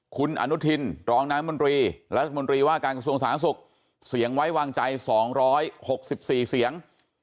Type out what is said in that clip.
คุณอนุทินรองน้ำมนตรีรัฐมนตรีว่าการกระทรวงสาธารณสุขเสียงไว้วางใจ๒๖๔เสียง